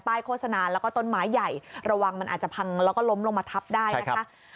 โฆษณาแล้วก็ต้นไม้ใหญ่ระวังมันอาจจะพังแล้วก็ล้มลงมาทับได้นะคะ